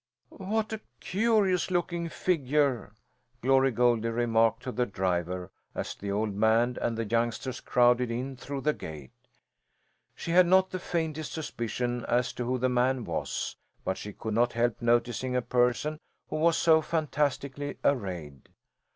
"What a curious looking figure!" Glory Goldie remarked to the driver as the old man and the youngsters crowded in through the gate. She had not the faintest suspicion as to who the man was, but she could not help noticing a person who was so fantastically arrayed.